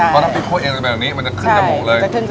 เพราะถ้าฟิกพ่อเองแบบนี้มันจะขึ้นจมูกเลย